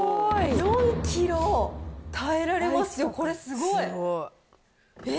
４キロ耐えられますよ、これ、すごい。え？